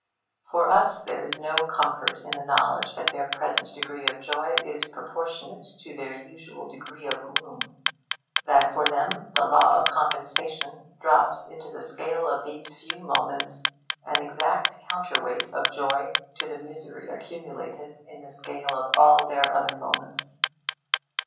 For us there is no comfort in the knowledge that their present degree of joy is proportionate to their usual degree of gloom, that for them the Law of Compensation drops into the scale of these few moments an exact counter weight of joy to the misery accumulated in the scale of all their other moments.